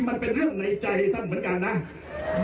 ไอ้นั่นคือของผม